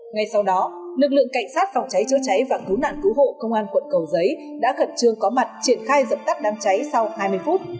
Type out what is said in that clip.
ngay sau đó lực lượng cảnh sát phòng cháy chữa cháy và cứu nạn cứu hộ công an quận cầu giấy đã khẩn trương có mặt triển khai dập tắt đám cháy sau hai mươi phút